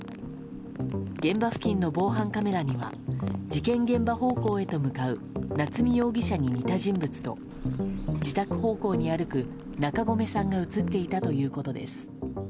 現場付近の防犯カメラには事件現場方向へと向かう夏見容疑者に似た人物と自宅方向に歩く中込さんが映っていたということです。